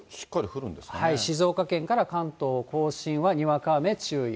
静岡県から関東甲信はにわか雨注意。